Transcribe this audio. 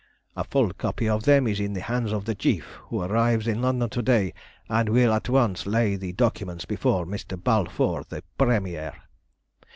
A full copy of them is in the hands of the Chief, who arrives in London to day, and will at once lay the documents before Mr. Balfour, the Premier.